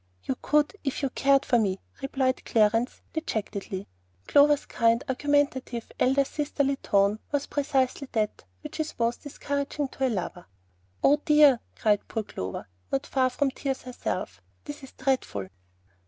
"You could if you cared for me," replied Clarence, dejectedly; Clover's kind, argumentative, elder sisterly tone was precisely that which is most discouraging to a lover. "Oh, dear," cried poor Clover, not far from tears herself; "this is dreadful!"